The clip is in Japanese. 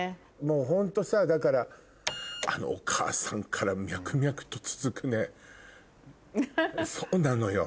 ホントさだからあのお母さんから脈々と続くねそうなのよ